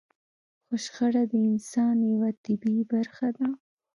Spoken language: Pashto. خو شخړه د انسان يوه طبيعي برخه ده.